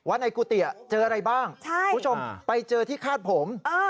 ในกุฏิเจออะไรบ้างคุณผู้ชมไปเจอที่คาดผม